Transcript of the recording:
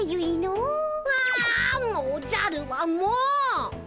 あもうおじゃるはもう！